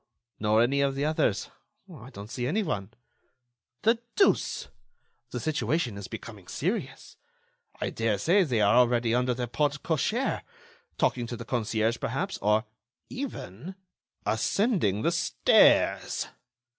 Nor any of the others.... I don't see anyone. The deuce! The situation is becoming serious. I dare say they are already under the porte cochere ... talking to the concierge, perhaps ... or, even, ascending the stairs!"